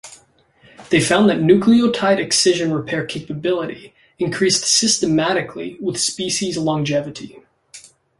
They found that nucleotide excision repair capability increased systematically with species longevity.